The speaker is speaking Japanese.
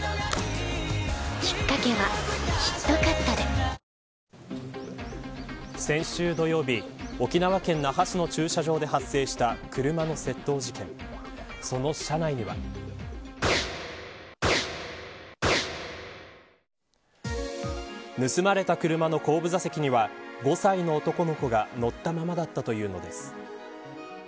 パトロールを先週、土曜日沖縄県那覇市の駐車場で発生した車の窃盗事件、その車内には。盗まれた車の後部座席には５歳の男の子が乗ったままだったというのです。